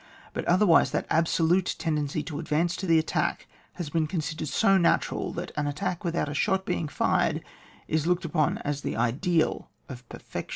But otherwise that absolute ten dency to advance to the attack has been considered so natural, that an attack without a shot being fired is looked upon as the ideal of perfection.